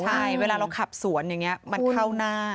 ใช่เวลาเราขับสวนมันเข้าหน้า